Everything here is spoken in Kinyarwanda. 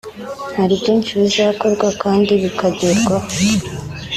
hari byinshi bizakorwa kandi bikagerwaho